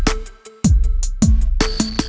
gak ada yang nungguin